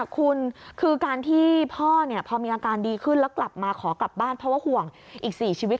คุณคือการที่พ่อพอมีอาการดีขึ้นแล้วกลับมาขอกลับบ้านเพราะว่าห่วงอีก๔ชีวิต